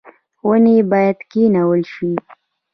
ونې باید کینول شي